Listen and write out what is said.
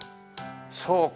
そうか。